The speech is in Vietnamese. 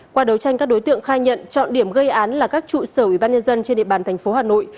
qua đấu tranh các đối tượng khai nhận chọn điểm gây án là các trụ sở ủy ban nhân dân trên địa bàn tp hà nội